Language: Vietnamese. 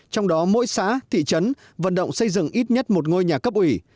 trong đó mỗi xã thị trấn vận động xây dựng ít nhất một ngôi nhà cấp ủy